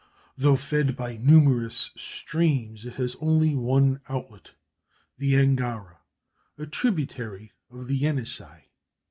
Though fed by numerous streams it has only one outlet, the Angara, a tributary of the Yenisei.